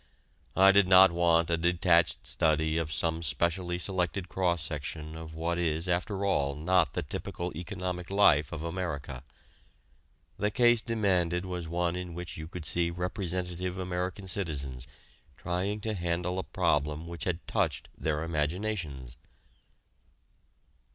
I did not want a detached study of some specially selected cross section of what is after all not the typical economic life of America. The case demanded was one in which you could see representative American citizens trying to handle a problem which had touched their imaginations.